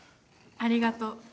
ありがとう。